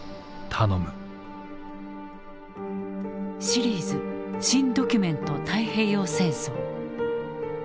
シリーズ「新・ドキュメント太平洋戦争」。